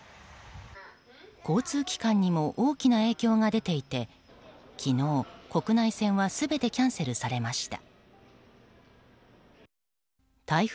交通機関にも大きな影響が出ていて昨日、国内線は全てキャンセルされました。